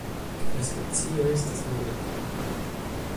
La specio estas monotipa.